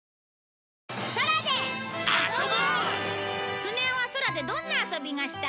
スネ夫は空でどんな遊びがしたい？